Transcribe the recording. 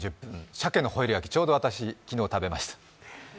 鮭のホイル焼き、ちょうど私、昨日食べました。